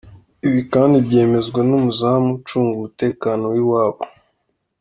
Ibi kandi byemezwa n’umuzamu ucunga umutekano w’iwabo.